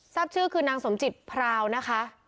ทราบชื่อคือนางสมจิตพราวนะคะ